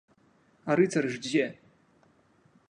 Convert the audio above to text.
А рыцары ж дзе?